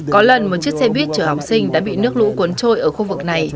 có lần một chiếc xe buýt chở học sinh đã bị nước lũ cuốn trôi ở khu vực này